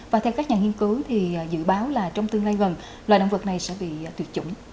và theo các nhà nghiên cứu thì dự báo là trong tương lai gần loài động vật này sẽ bị tuyệt chủng